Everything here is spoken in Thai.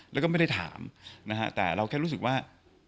แล้วก็ไม่ได้ถามนะฮะแต่เราแค่รู้สึกว่า